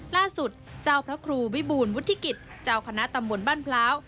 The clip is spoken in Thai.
ล่าสุดเจ้าพระครูวิบูรณวุฒิกิจเจ้าคณะตำบลบ้านพร้าว